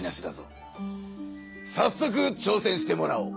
さっそくちょうせんしてもらおう。